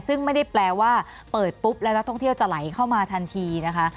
ซึ่งไม่ได้แปลว่าเปิดปุ๊บแล้วนักท่องเที่ยวจะไหลเข้ามาทันทีนะคะ